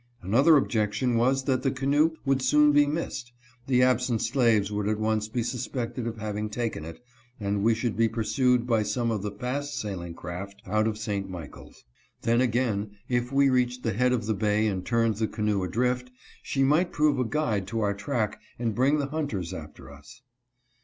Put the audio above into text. Another objection was that the canoe would soon be missed, the absent slaves would at once be suspected of having taken it, and we should be pursued by some of the fast sailing craft out of St. Michaels. Then again, if we reached the head of the bay and turned the canoe adrift, she might prove a guide to our track and bring the hunters after us.